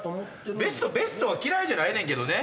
ベストは嫌いじゃないねんけどね。